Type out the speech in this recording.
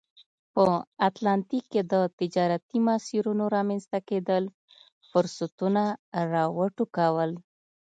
په اتلانتیک کې د تجارتي مسیرونو رامنځته کېدل فرصتونه را وټوکول.